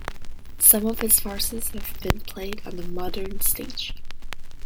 Some of his farces have been played on the modern stage.